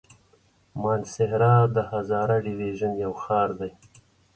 مانسهره د هزاره ډويژن يو ښار دی.